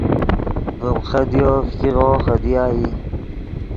ڤیم خدیو فګیغو خدیا ای